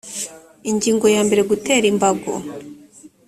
ingingo ya mbere gutera imbago